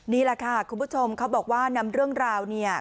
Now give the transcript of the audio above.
นี่แหละค่ะคุณผู้ชมเขาบอกว่านำเรื่องราวเนี่ย